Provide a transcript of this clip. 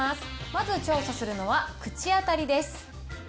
まず調査するのは口当たりです。